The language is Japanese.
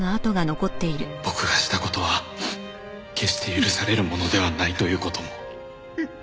「僕がしたことは決して許されるものではないということも」